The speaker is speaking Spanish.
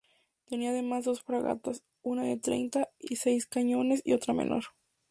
Tenían además dos fragatas, una de treinta y seis cañones y otra menor.